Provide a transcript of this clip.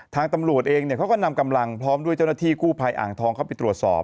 ทางตำรวจเองเขาก็นำกำลังพร้อมด้วยเจ้าหน้าที่กู้ภัยอ่างทองเข้าไปตรวจสอบ